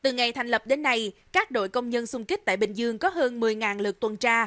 ngày thành lập đến nay các đội công nhân xung kích tại bình dương có hơn một mươi lượt tuần tra